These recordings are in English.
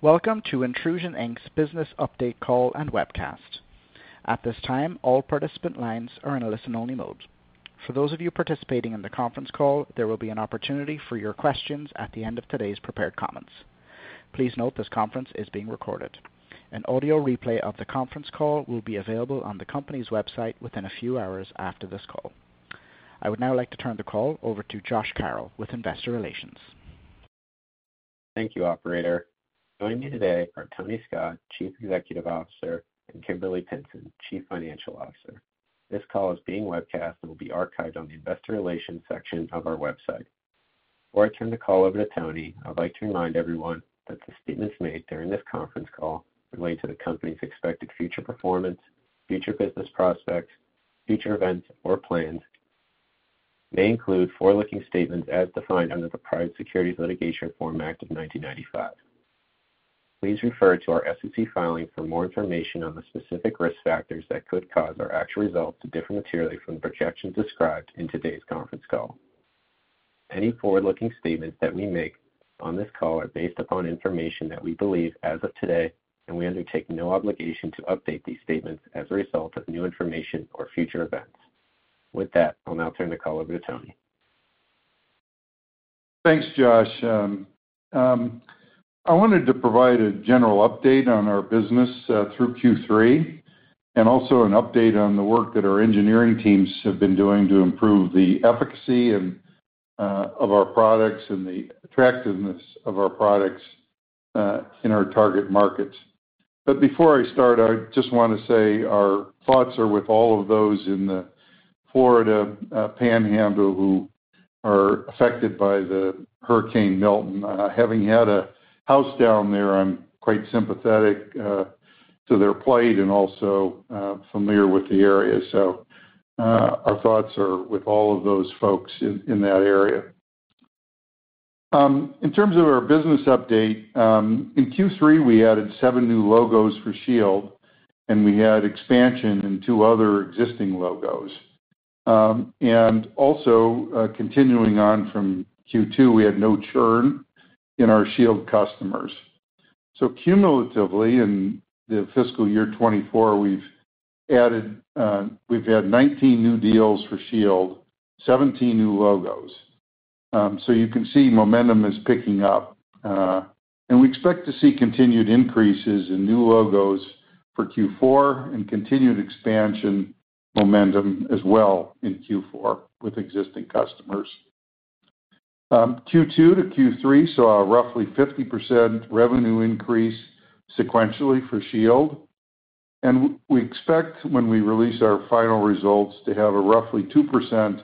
Welcome to Intrusion Inc.'s Business Update Call and Webcast. At this time, all participant lines are in a listen-only mode. For those of you participating in the conference call, there will be an opportunity for your questions at the end of today's prepared comments. Please note, this conference is being recorded. An audio replay of the conference call will be available on the company's website within a few hours after this call. I would now like to turn the call over to Josh Carroll with Investor Relations. Thank you, operator. Joining me today are Tony Scott, Chief Executive Officer, and Kimberly Pinson, Chief Financial Officer. This call is being webcast and will be archived on the Investor Relations section of our website. Before I turn the call over to Tony, I'd like to remind everyone that the statements made during this conference call relate to the company's expected future performance, future business prospects, future events, or plans, may include forward-looking statements as defined under the Private Securities Litigation Reform Act of 1995. Please refer to our SEC filing for more information on the specific risk factors that could cause our actual results to differ materially from the projections described in today's conference call. Any forward-looking statements that we make on this call are based upon information that we believe as of today, and we undertake no obligation to update these statements as a result of new information or future events. With that, I'll now turn the call over to Tony. Thanks, Josh. I wanted to provide a general update on our business through Q3, and also an update on the work that our engineering teams have been doing to improve the efficacy and of our products and the attractiveness of our products in our target markets. But before I start, I just wanna say our thoughts are with all of those in the Florida Panhandle who are affected by the Hurricane Milton. Having had a house down there, I'm quite sympathetic to their plight and also familiar with the area. So our thoughts are with all of those folks in that area. In terms of our business update, in Q3, we added seven new logos for Shield, and we had expansion in two other existing logos. And also, continuing on from Q2, we had no churn in our Shield customers. So cumulatively, in the fiscal year twenty-four, we've had nineteen new deals for Shield, seventeen new logos. So you can see momentum is picking up, and we expect to see continued increases in new logos for Q4 and continued expansion momentum as well in Q4 with existing customers. Q2 to Q3 saw a roughly 50% revenue increase sequentially for Shield, and we expect when we release our final results, to have a roughly 2%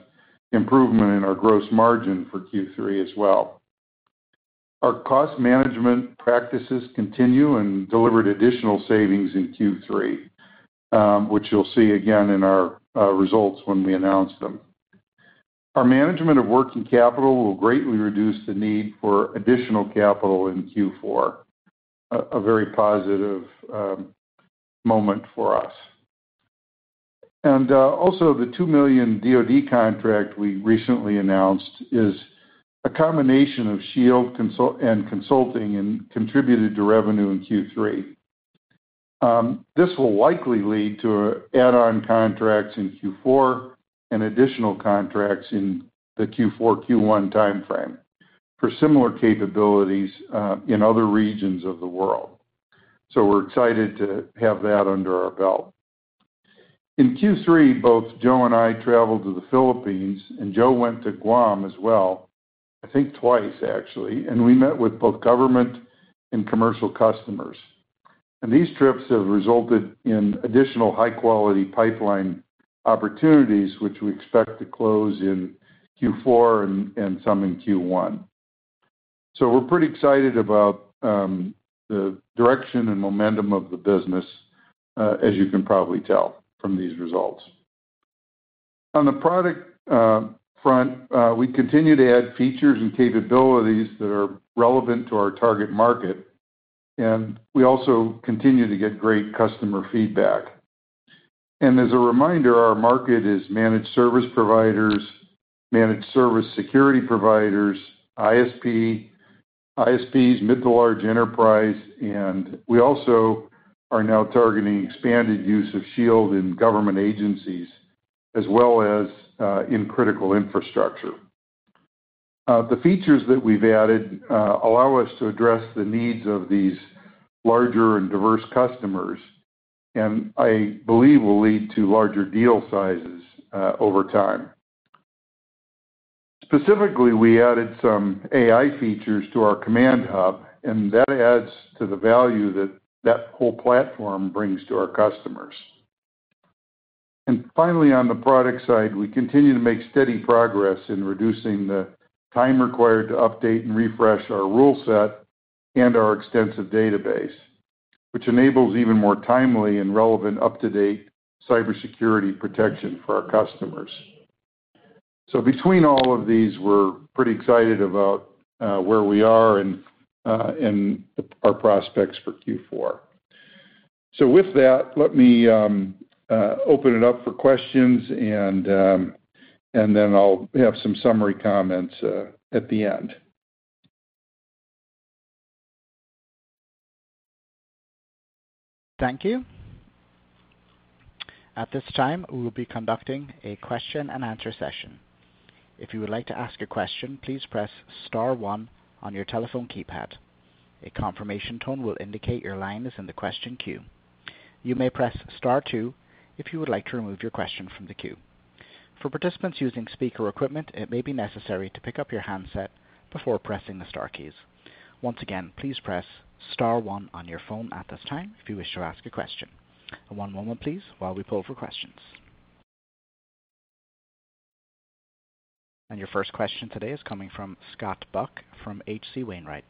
improvement in our gross margin for Q3 as well. Our cost management practices continue and delivered additional savings in Q3, which you'll see again in our results when we announce them. Our management of working capital will greatly reduce the need for additional capital in Q4, a very positive moment for us. Also, the $2 million DoD contract we recently announced is a combination of Shield consulting and consulting, and contributed to revenue in Q3. This will likely lead to add-on contracts in Q4 and additional contracts in the Q4, Q1 timeframe for similar capabilities in other regions of the world, and we're excited to have that under our belt. In Q3, both Joe and I traveled to the Philippines, and Joe went to Guam as well, I think twice actually, and we met with both government and commercial customers. These trips have resulted in additional high-quality pipeline opportunities, which we expect to close in Q4 and some in Q1. We're pretty excited about the direction and momentum of the business, as you can probably tell from these results. On the product front, we continue to add features and capabilities that are relevant to our target market, and we also continue to get great customer feedback. As a reminder, our market is managed service providers, managed service security providers, ISPs, mid to large enterprise, and we also are now targeting expanded use of Shield in government agencies, as well as in critical infrastructure. The features that we've added allow us to address the needs of these larger and diverse customers, and I believe will lead to larger deal sizes over time. Specifically, we added some AI features to our Command Hub, and that adds to the value that that whole platform brings to our customers. Finally, on the product side, we continue to make steady progress in reducing the time required to update and refresh our rule set and our extensive database, which enables even more timely and relevant, up-to-date cybersecurity protection for our customers. Between all of these, we're pretty excited about where we are and our prospects for Q4. With that, let me open it up for questions, and then I'll have some summary comments at the end. Thank you. At this time, we will be conducting a question-and-answer session. If you would like to ask a question, please press star one on your telephone keypad. A confirmation tone will indicate your line is in the question queue. You may press star two if you would like to remove your question from the queue. For participants using speaker equipment, it may be necessary to pick up your handset before pressing the star keys. Once again, please press star one on your phone at this time if you wish to ask a question. One moment please, while we pull for questions, and your first question today is coming from Scott Buck from H.C. Wainwright.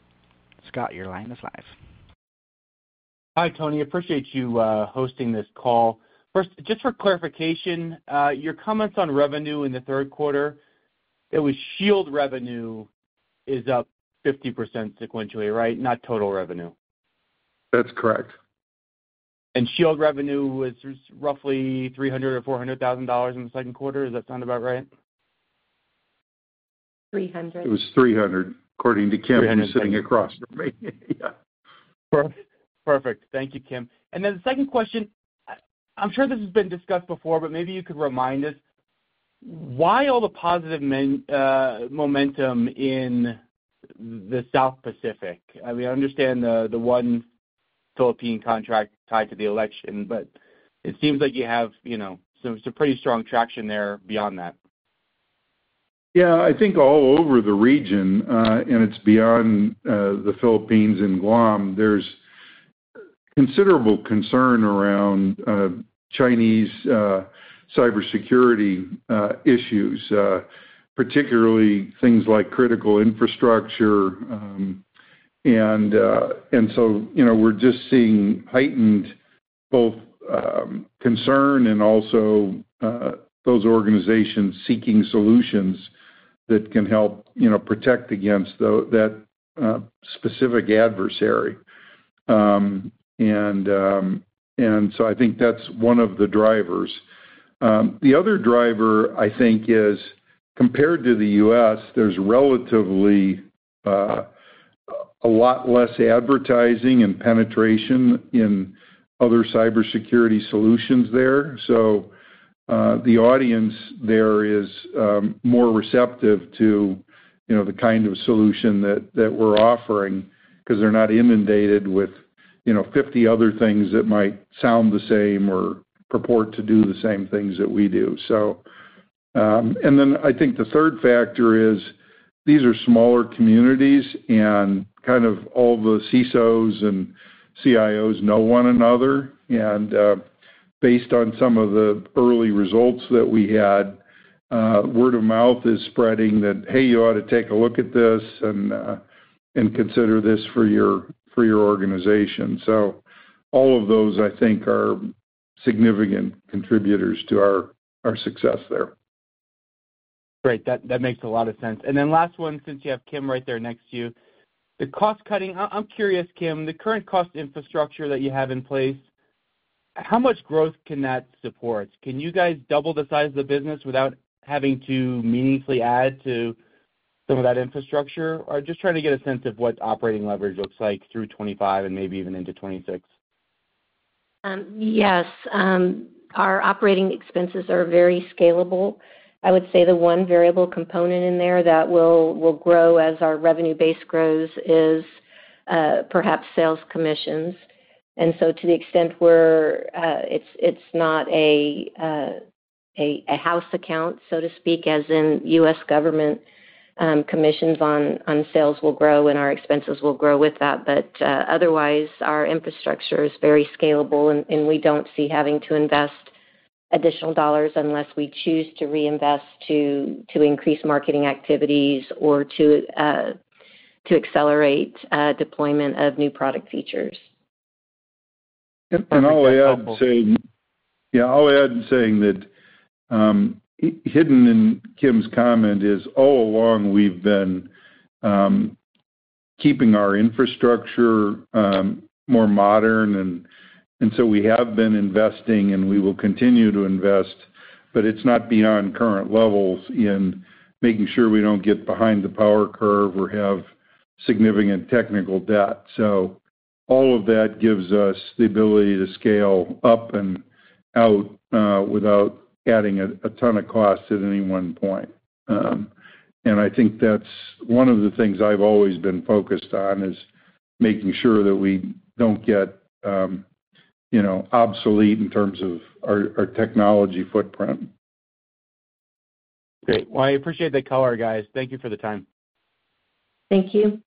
Scott, your line is live. Hi, Tony. Appreciate you hosting this call. First, just for clarification, your comments on revenue in the Q3, it was Shield revenue is up 50% sequentially, right? Not total revenue. That's correct. Shield revenue was roughly $300,000-$400,000 in the Q2. Does that sound about right? Three hundred. It was $300, according to Kim, who's sitting across from me. Yeah. Perfect. Thank you, Kim. And then the second question, I'm sure this has been discussed before, but maybe you could remind us why all the positive momentum in the South Pacific? I mean, I understand the one Philippine contract tied to the election, but it seems like you have, you know, some pretty strong traction there beyond that. Yeah, I think all over the region, and it's beyond the Philippines and Guam, there's considerable concern around Chinese cybersecurity issues, particularly things like critical infrastructure. And so, you know, we're just seeing heightened both concern and also those organizations seeking solutions that can help, you know, protect against that specific adversary. And so I think that's one of the drivers. The other driver, I think, is compared to the U.S., there's relatively a lot less advertising and penetration in other cybersecurity solutions there. So the audience there is more receptive to, you know, the kind of solution that we're offering because they're not inundated with, you know, 50 other things that might sound the same or purport to do the same things that we do. So, and then I think the third factor is these are smaller communities and kind of all the CISOs and CIOs know one another, and, based on some of the early results that we had, word of mouth is spreading that, "Hey, you ought to take a look at this and consider this for your organization." So all of those, I think, are significant contributors to our success there. Great. That makes a lot of sense. And then last one, since you have Kim right there next to you, the cost-cutting. I'm curious, Kim, the current cost infrastructure that you have in place, how much growth can that support? Can you guys double the size of the business without having to meaningfully add to some of that infrastructure? Or just trying to get a sense of what operating leverage looks like through 2025 and maybe even into 2026. Yes. Our operating expenses are very scalable. I would say the one variable component in there that will grow as our revenue base grows is perhaps sales commissions. And so to the extent we're, it's not a house account, so to speak, as in U.S. government, commissions on sales will grow and our expenses will grow with that. But otherwise, our infrastructure is very scalable, and we don't see having to invest additional dollars unless we choose to reinvest to increase marketing activities or to accelerate deployment of new product features. I'll add in saying that hidden in Kim's comment is, all along, we've been keeping our infrastructure more modern, and so we have been investing, and we will continue to invest, but it's not beyond current levels in making sure we don't get behind the power curve or have significant technical debt so all of that gives us the ability to scale up and out without adding a ton of cost at any one point. I think that's one of the things I've always been focused on, is making sure that we don't get you know obsolete in terms of our technology footprint. Great. Well, I appreciate the color, guys. Thank you for the time. Thank you.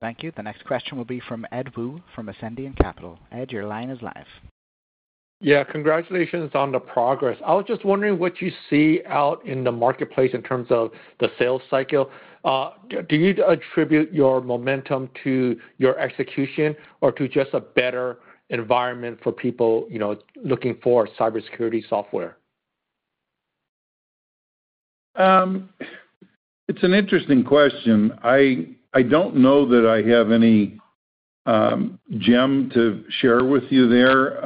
Thank you. The next question will be from Ed Woo, from Ascendiant Capital. Ed, your line is live. Yeah, congratulations on the progress. I was just wondering what you see out in the marketplace in terms of the sales cycle. Do you attribute your momentum to your execution or to just a better environment for people, you know, looking for cybersecurity software?... It's an interesting question. I don't know that I have any gem to share with you there.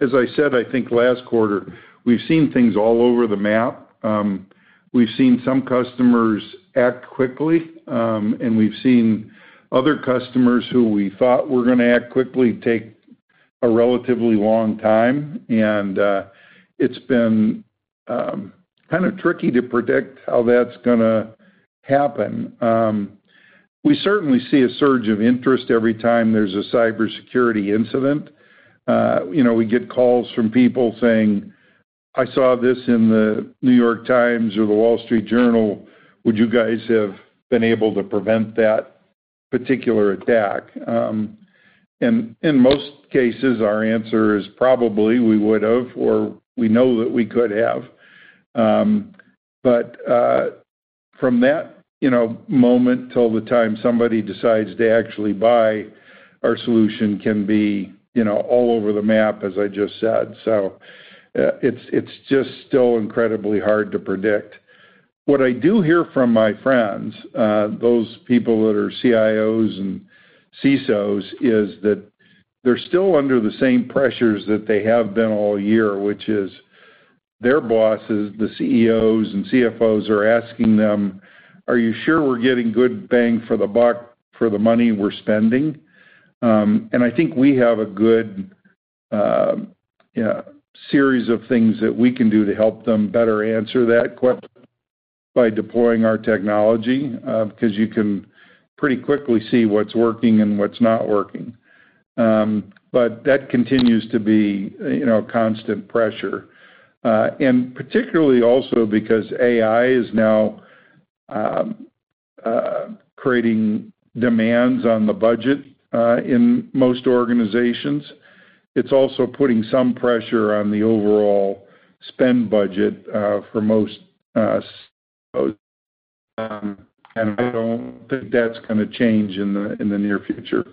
As I said, I think last quarter, we've seen things all over the map. We've seen some customers act quickly, and we've seen other customers who we thought were gonna act quickly take a relatively long time, and it's been kind of tricky to predict how that's gonna happen. We certainly see a surge of interest every time there's a cybersecurity incident. You know, we get calls from people saying, "I saw this in The New York Times or The Wall Street Journal. Would you guys have been able to prevent that particular attack?" and in most cases, our answer is probably we would have, or we know that we could have. But from that, you know, moment till the time somebody decides to actually buy our solution can be, you know, all over the map, as I just said. It's just still incredibly hard to predict. What I do hear from my friends, those people that are CIOs and CISOs, is that they're still under the same pressures that they have been all year, which is their bosses, the CEOs and CFOs, are asking them: "Are you sure we're getting good bang for the buck for the money we're spending?" I think we have a good series of things that we can do to help them better answer that question by deploying our technology, because you can pretty quickly see what's working and what's not working. That continues to be, you know, a constant pressure. and particularly also because AI is now creating demands on the budget in most organizations. It's also putting some pressure on the overall spend budget for most CIOs, and I don't think that's gonna change in the near future.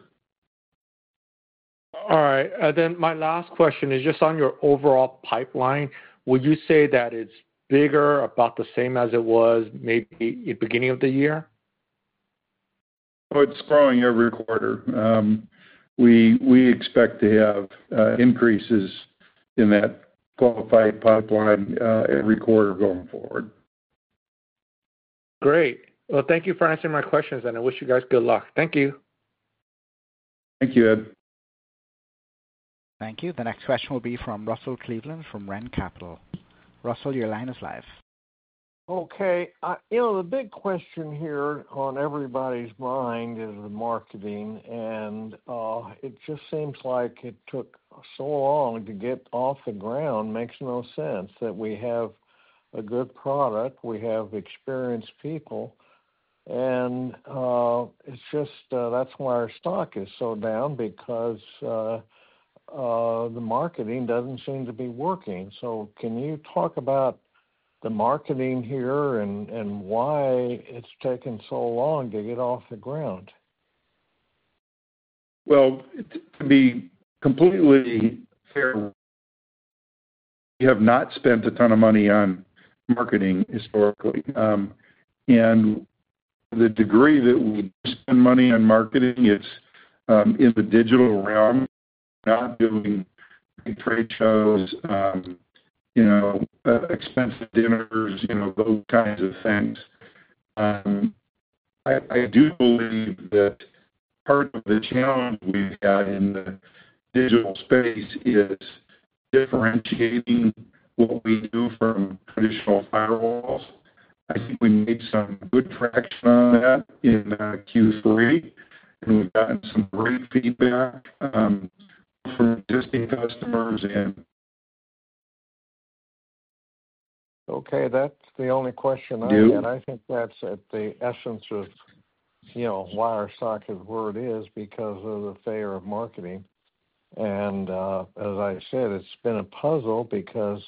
All right, then my last question is just on your overall pipeline. Would you say that it's bigger, about the same as it was maybe at the beginning of the year? Oh, it's growing every quarter. We expect to have increases in that qualified pipeline every quarter going forward. Great. Well, thank you for answering my questions, and I wish you guys good luck. Thank you. Thank you, Ed. Thank you. The next question will be from Russell Cleveland, from RENN Capital. Russell, your line is live. Okay. You know, the big question here on everybody's mind is the marketing, and it just seems like it took so long to get off the ground. Makes no sense, that we have a good product, we have experienced people, and it's just, that's why our stock is so down, because the marketing doesn't seem to be working, so can you talk about the marketing here and why it's taken so long to get off the ground? To be completely fair, we have not spent a ton of money on marketing historically, and the degree that we spend money on marketing is in the digital realm, not doing trade shows, you know, expensive dinners, you know, those kinds of things. I do believe that part of the challenge we've had in the digital space is differentiating what we do from traditional firewalls. I think we made some good traction on that in Q3, and we've gotten some great feedback from existing customers and- Okay, that's the only question I had. Yep. I think that's at the essence of, you know, why our stock is where it is, because of the failure of marketing. And, as I said, it's been a puzzle because,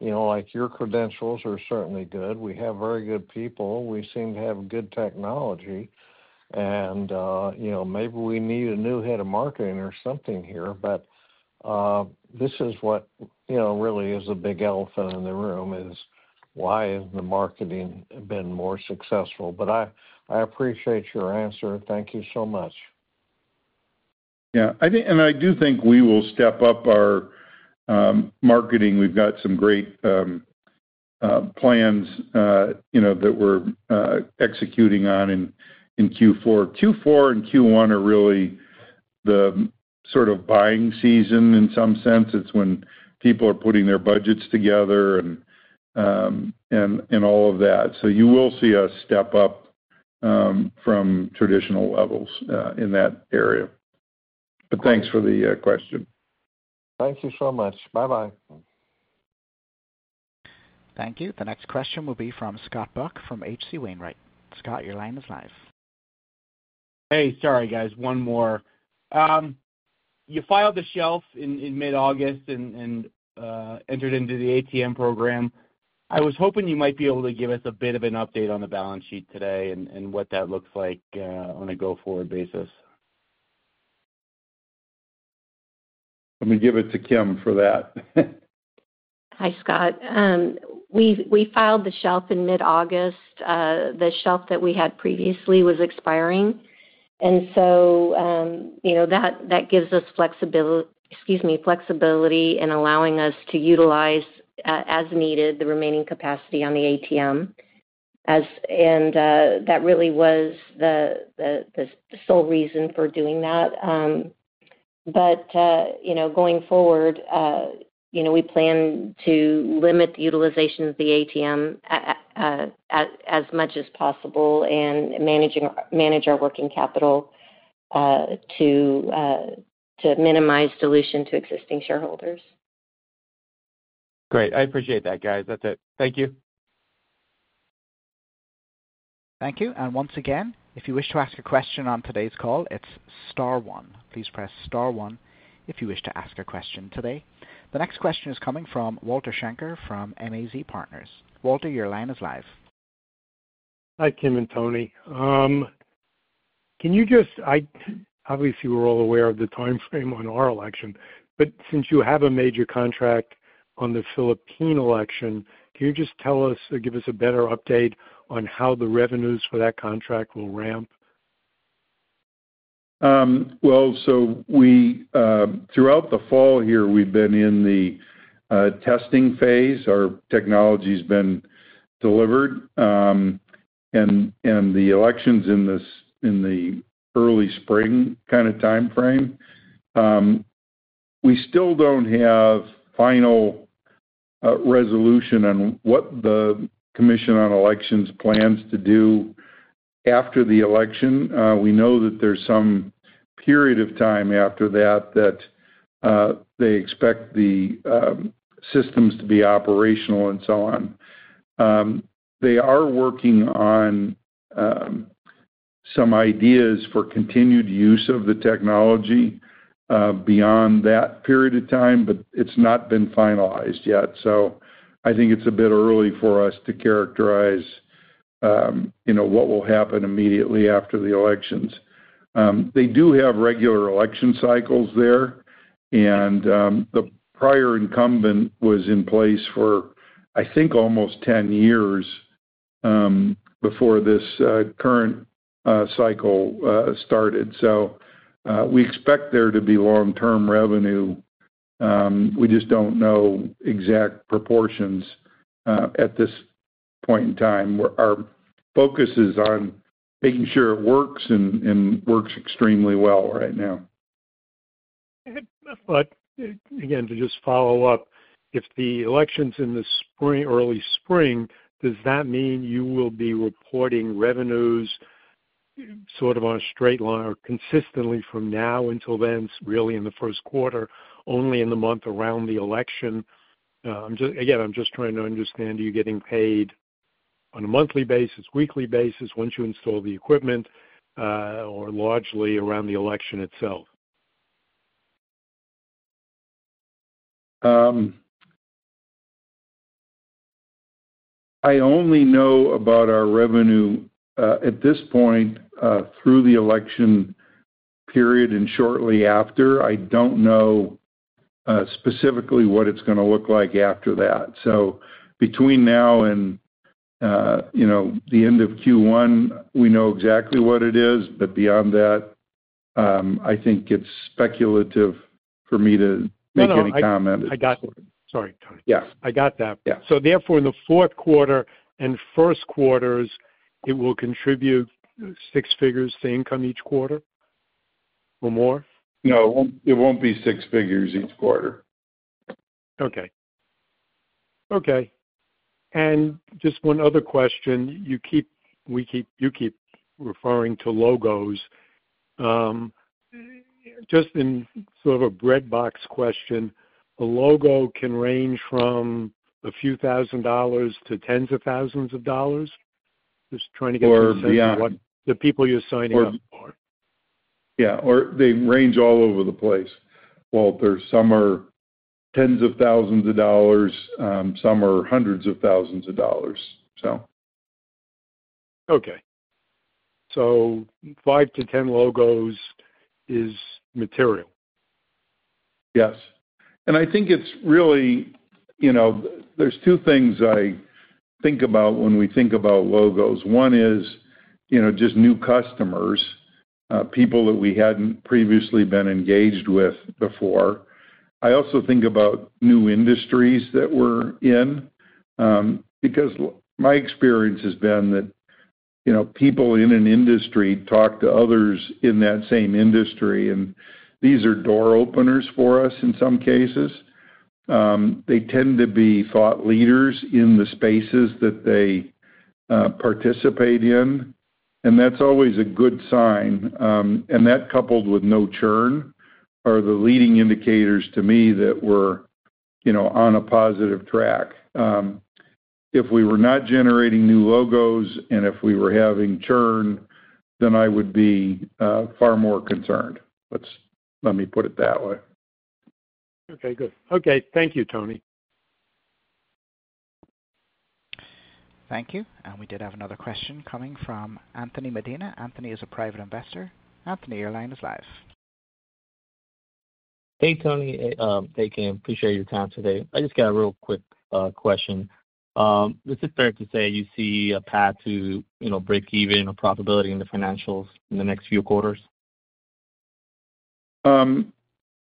you know, like, your credentials are certainly good. We have very good people. We seem to have good technology, and, you know, maybe we need a new head of marketing or something here. But, this is what, you know, really is a big elephant in the room, is why isn't the marketing been more successful? But I, I appreciate your answer. Thank you so much. Yeah. I think and I do think we will step up our marketing. We've got some great plans, you know, that we're executing on in Q4. Q4 and Q1 are really the sort of buying season in some sense. It's when people are putting their budgets together and all of that. So you will see us step up from traditional levels in that area. But thanks for the question. Thank you so much. Bye-bye. Thank you. The next question will be from Scott Buck from H.C. Wainwright. Scott, your line is live. Hey, sorry, guys, one more. You filed the shelf in mid-August and entered into the ATM program. I was hoping you might be able to give us a bit of an update on the balance sheet today and what that looks like on a go-forward basis. Let me give it to Kim for that. Hi, Scott. We filed the shelf in mid-August. The shelf that we had previously was expiring, and so, you know, that gives us flexibility in allowing us to utilize, as needed, the remaining capacity on the ATM, and that really was the sole reason for doing that. But, you know, going forward, you know, we plan to limit the utilization of the ATM as much as possible and manage our working capital to minimize dilution to existing shareholders. Great. I appreciate that, guys. That's it. Thank you. Thank you, and once again, if you wish to ask a question on today's call, it's star one. Please press star one if you wish to ask a question today. The next question is coming from Walter Schenker from MAZ Partners. Walter, your line is live. Hi, Kim and Tony. Can you just obviously, we're all aware of the time frame on our election, but since you have a major contract on the Philippine election, can you just tell us or give us a better update on how the revenues for that contract will ramp? Well, so we throughout the fall here, we've been in the testing phase. Our technology's been delivered, and the election's in the early spring kind of time frame. We still don't have final resolution on what the Commission on Elections plans to do after the election. We know that there's some period of time after that they expect the systems to be operational and so on. They are working on some ideas for continued use of the technology beyond that period of time, but it's not been finalized yet. So I think it's a bit early for us to characterize you know what will happen immediately after the elections. They do have regular election cycles there, and the prior incumbent was in place for, I think, almost ten years before this current cycle started. So, we expect there to be long-term revenue. We just don't know exact proportions at this point in time, where our focus is on making sure it works and works extremely well right now. But again, to just follow up, if the election's in the spring, early spring, does that mean you will be reporting revenues sort of on a straight line or consistently from now until then, really in the Q1, only in the month around the election? I'm just again, I'm just trying to understand, are you getting paid on a monthly basis, weekly basis, once you install the equipment, or largely around the election itself? I only know about our revenue at this point through the election period and shortly after. I don't know specifically what it's going to look like after that. So between now and, you know, the end of Q1, we know exactly what it is, but beyond that, I think it's speculative for me to- No, no Make any comment. I got it. Sorry, Tony. Yeah. I got that. Yeah. Therefore, in the Q4 and Q1, it will contribute six figures to income each quarter or more? No, it won't, it won't be six figures each quarter. Okay. Okay, and just one other question. You keep referring to logos. Just in sort of a back-of-the-envelope question, a logo can range from a few thousand dollars to tens of thousands of dollars? Just trying to get- Or, yeah- a sense of what the people you're signing up for. Yeah, or they range all over the place. Well, there's some are tens of thousands of dollars, some are hundreds of thousands of dollars, so. Okay. So five to ten logos is material? Yes, and I think it's really, you know, there's two things I think about when we think about logos. One is, you know, just new customers, people that we hadn't previously been engaged with before. I also think about new industries that we're in, because my experience has been that, you know, people in an industry talk to others in that same industry, and these are door openers for us in some cases. They tend to be thought leaders in the spaces that they participate in, and that's always a good sign. And that, coupled with no churn, are the leading indicators to me that we're, you know, on a positive track. If we were not generating new logos and if we were having churn, then I would be far more concerned. Let me put it that way. Okay, good. Okay. Thank you, Tony.... Thank you. And we did have another question coming from Anthony Medina. Anthony is a private investor. Anthony, your line is live. Hey, Tony, hey, Kim, appreciate your time today. I just got a real quick question. Is it fair to say you see a path to, you know, break even or profitability in the financials in the next few quarters?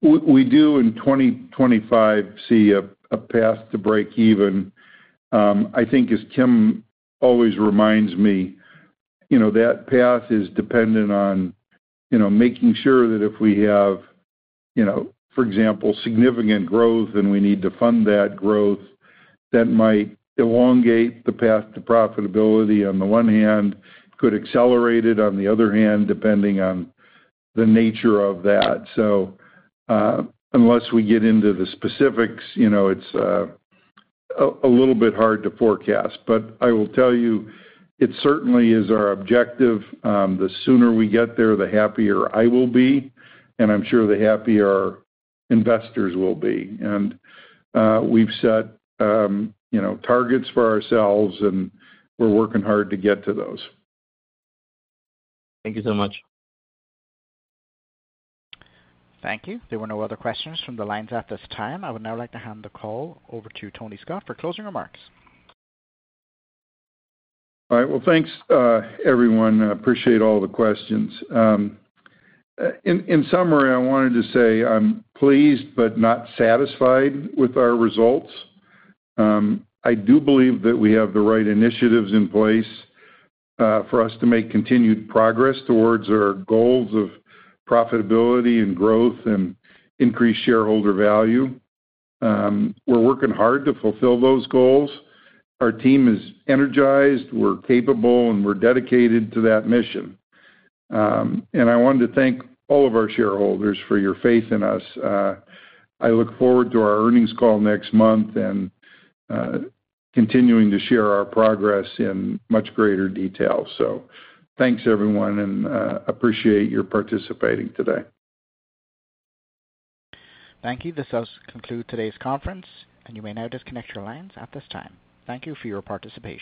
We do in 2025 see a path to break even. I think as Kim always reminds me, you know, that path is dependent on, you know, making sure that if we have, you know, for example, significant growth and we need to fund that growth, that might elongate the path to profitability on the one hand, could accelerate it on the other hand, depending on the nature of that. So, unless we get into the specifics, you know, it's a little bit hard to forecast. But I will tell you, it certainly is our objective, the sooner we get there, the happier I will be, and I'm sure the happier our investors will be, and we've set, you know, targets for ourselves, and we're working hard to get to those. Thank you so much. Thank you. There were no other questions from the lines at this time. I would now like to hand the call over to Tony Scott for closing remarks. All right. Well, thanks, everyone. I appreciate all the questions. In summary, I wanted to say I'm pleased but not satisfied with our results. I do believe that we have the right initiatives in place for us to make continued progress towards our goals of profitability and growth and increased shareholder value. We're working hard to fulfill those goals. Our team is energized, we're capable, and we're dedicated to that mission. And I wanted to thank all of our shareholders for your faith in us. I look forward to our earnings call next month and continuing to share our progress in much greater detail. So thanks, everyone, and appreciate your participating today. Thank you. This does conclude today's conference, and you may now disconnect your lines at this time. Thank you for your participation.